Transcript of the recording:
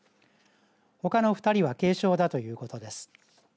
ほかの２人は軽傷だということです。